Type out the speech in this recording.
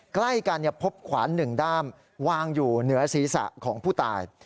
ใกล้กันพบขวาน๑ด้ามวางอยู่เหนือศีรษะของผู้ตาย